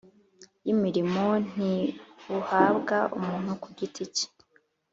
y’imirimo, ntibuhabwa umuntu ku giti ke;